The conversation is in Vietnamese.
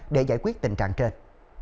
để giải quyết tình trạng trên